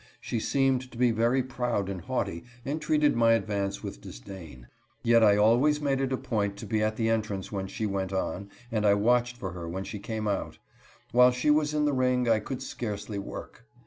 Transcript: She seemed to be very proud and haughty, and treated my advance with disdain. Yet I always made it a point to be at the entrance when she went on, and I watched for her when she came out. While she was in the ring I could scarcely work.